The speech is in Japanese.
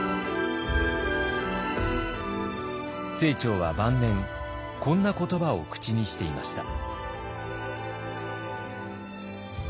清張は晩年こんな言葉を口にしていました。